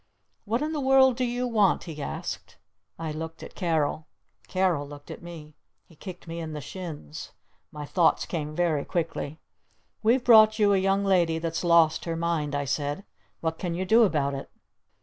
"What in the world do you want?" he asked. I looked at Carol. Carol looked at me. He kicked me in the shins. My thoughts came very quickly. "We've brought you a young lady that's lost her mind!" I said. "What can you do about it?"